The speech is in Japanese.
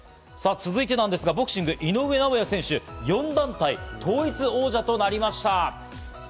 続いてなんですが、ボクシング・井上尚弥選手、４団体統一王者となりました。